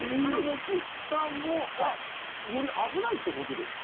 軒下はより危ないってことですか？